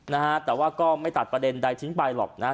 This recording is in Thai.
นะฮะแต่ว่าก็ไม่ตัดประเด็นใดทิ้งไปหรอกนะฮะ